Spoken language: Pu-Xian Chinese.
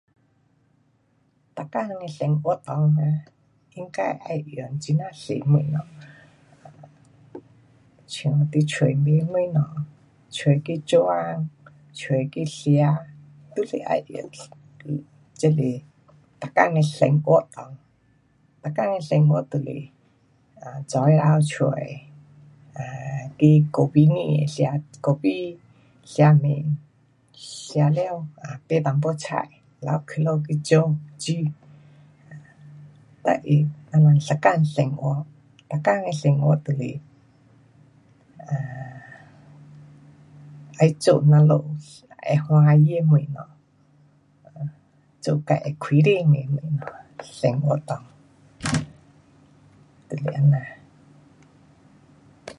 每天的生活内啊，应该会用很呀多东西，像你出买东西，出去做工，出去吃，都是要用，这是每天的生活内。每天的生活就是[um]早起头出，[um]去kopi店的吃kopi，吃面，吃了买一点菜，留回家去做，煮。得意，这样一天生活，每天的生活就是要做我们会欢喜的东西，做自己会开心的东西。生活内， 就是这样。